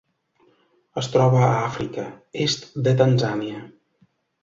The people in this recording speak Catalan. Es troba a Àfrica: est de Tanzània.